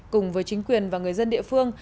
cùng với chính quyền và người dân